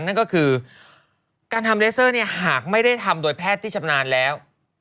นั่นก็คือการทำเลเซอร์เนี่ยหากไม่ได้ทำโดยแพทย์ที่ชำนาญแล้ว